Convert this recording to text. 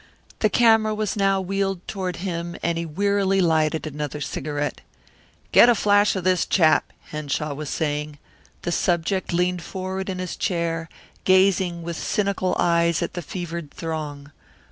The camera was now wheeled toward him and he wearily lighted another cigarette. "Get a flash of this chap," Henshaw was saying. The subject leaned forward in his chair, gazing with cynical eyes at the fevered throng.